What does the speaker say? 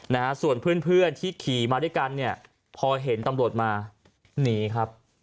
นะฮะส่วนเพื่อนเพื่อนที่ขี่มาด้วยกันเนี่ยพอเห็นตำรวจมาหนีครับ